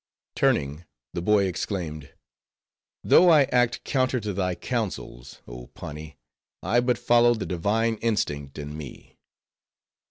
Turning, the boy exclaimed—"Though I act counter to thy counsels, oh Pani, I but follow the divine instinct in me."